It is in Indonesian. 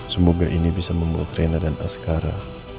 semoga ini bisa membuat rena dan askara